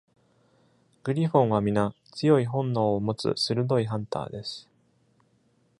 グリフォンは皆、強い本能を持つ鋭いハンターです。